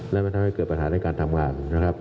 และมันทำให้เกิดปัญหาในการทำงานนะครับ